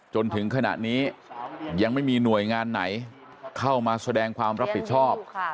จนถึงขณะนี้ยังไม่มีหน่วยงานไหนเข้ามาแสดงความรับผิดชอบ